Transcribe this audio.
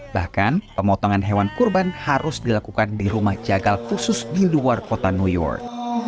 bahkan pemotongan hewan kurban harus dilakukan di rumah jagal khusus di luar kota new york